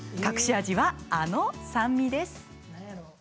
隠し味はあの酸味です。